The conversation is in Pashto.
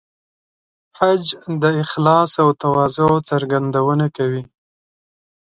حج د اخلاص او تواضع څرګندونه کوي.